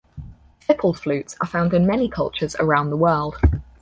Fipple flutes are found in many cultures around the world.